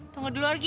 tunggu dulu argi